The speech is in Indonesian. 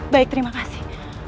baik terima kasih